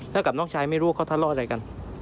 ถ้ากับน้องชายไม่รู้เขาทะเลาะอะไรกัน